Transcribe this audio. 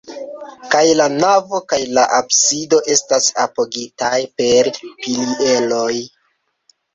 Kaj la navo kaj la absido estas apogitaj per pilieroj.